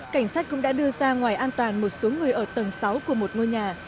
cảnh sát cũng đã đưa ra ngoài an toàn một số người ở tầng sáu của một ngôi nhà